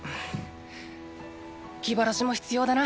気晴らしも必要だな。